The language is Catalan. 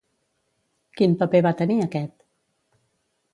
Quin paper va tenir aquest?